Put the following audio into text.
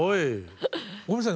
ごめんなさい。